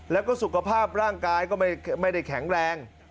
แล้วก็สุขภาพร่างกายก็ไม่ได้แข็งแรง